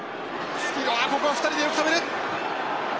うわここは２人でよく止める！